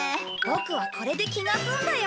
ボクはこれで気が済んだよ。